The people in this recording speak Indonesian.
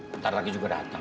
bentar lagi juga dateng